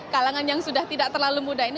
kalangan yang sudah tidak terlalu muda ini